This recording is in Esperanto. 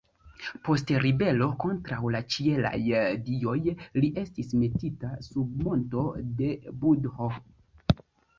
Post ribelo kontraŭ la ĉielaj dioj li estis metita sub monto de Budho.